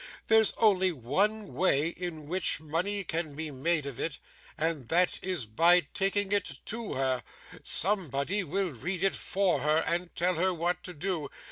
'There's only one way in which money can be made of it, and that is by taking it to her. Somebody will read it for her, and tell her what to do.